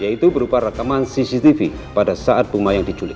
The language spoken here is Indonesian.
yaitu berupa rekaman cctv pada saat bumayang diculik